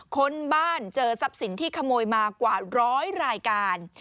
ค้นบ้านเจอทรัพย์สินที่ขโมยมากว่าร้อยรายการ